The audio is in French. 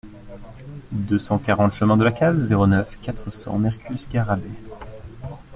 deux cent quarante chemin de la Caze, zéro neuf, quatre cents Mercus-Garrabet